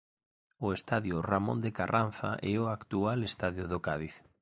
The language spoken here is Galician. O estadio Ramón de Carranza é o actual estadio do Cádiz.